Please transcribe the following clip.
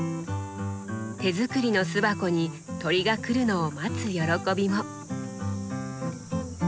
手作りの巣箱に鳥が来るのを待つ喜びも。